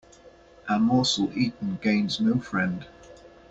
A morsel eaten gains no friend.